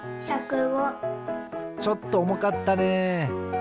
ちょっとおもかったね。